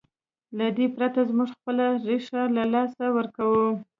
له دې پرته موږ خپله ریښه له لاسه ورکوو.